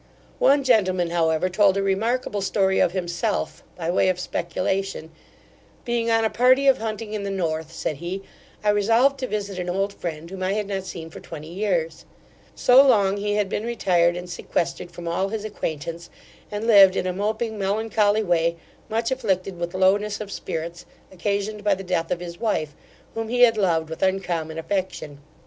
One gentleman, however, told a remarkable story of himself, by way of speculation 'Being on a party of hunting in the North (said he), I resolved to visit an old friend, whom I had not seen for twenty years So long he had been retired and sequestered from all his acquaintance, and lived in a moping melancholy way, much afflicted with lowness of spirits, occasioned by the death of his wife, whom he had loved with uncommon affection.